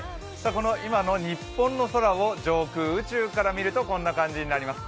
今の日本の空を上空、宇宙から見るとこんな感じになります。